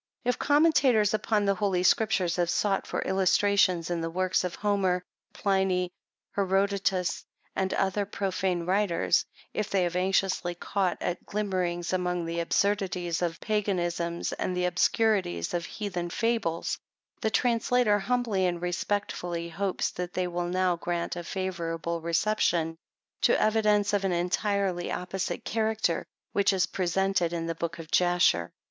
If commentators upon the holy Scriptures have sought for illustrations in the works of Homer, Pliny, Herodotus, and other profane writers ; if they have anxiously caught at glimmerings among the absurdities of Pa ganism, and the obscurities of Heathen fables, the translator humbly and respectfully hopes that they will now grant a favorable reception to evi dence of an entirely opposite character, which is presented in the Book of Jasher.